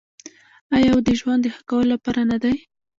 آیا او د ژوند د ښه کولو لپاره نه دی؟